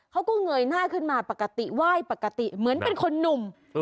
เงยหน้าขึ้นมาปกติไหว้ปกติเหมือนเป็นคนหนุ่ม